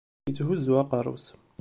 Itthuzzu aqerru-s.